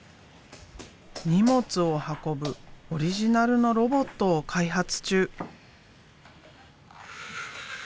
荷物を運ぶオリジナルのロボットを開発中。